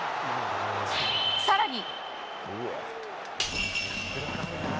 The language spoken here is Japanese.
さらに。